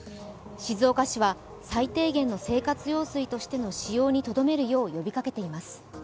静岡市は最低限の生活用水としての使用にとどめるよう呼びかけています。